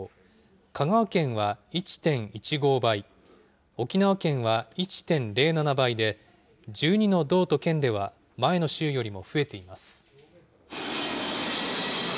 香川県は１．１５倍、沖縄県は１．０７倍で、１２の道と県では、前の週よりも増えています。